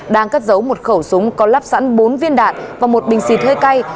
đang cất giấu một khẩu súng có lắp sẵn bốn viên đạn và một bình xịt hơi cay